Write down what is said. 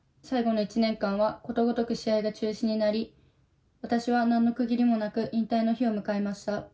最後の１年間はことごとく試合が中止になり私は何の区切りもなく引退の日を迎えました。